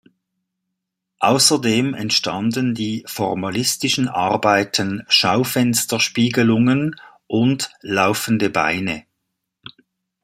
Außerdem entstanden die formalistischen Arbeiten "Schaufenster-Spiegelungen" und "Laufende Beine".